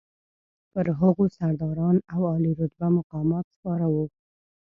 پر هغو سرداران او عالي رتبه مقامات سپاره وو.